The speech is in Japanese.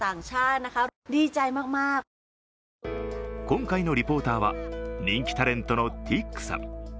今回のリポーターは人気タレントのティックさん。